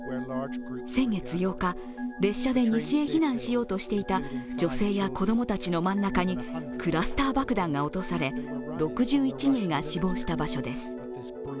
先月８日、列車で西へ避難しようとしていた女性や子供たちの真ん中にクラスター爆弾が落とされ６１人が死亡した場所です。